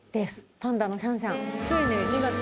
パンダのシャンシャン。